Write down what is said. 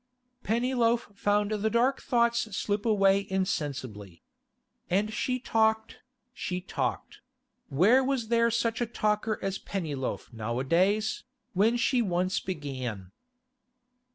Pennyloaf found the dark thoughts slip away insensibly. And she talked, she talked—where was there such a talker as Pennyloaf nowadays, when she once began?